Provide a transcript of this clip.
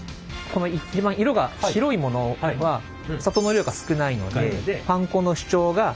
この一番色が白いものは砂糖の量が少ないのでパン粉の主張が控えめ。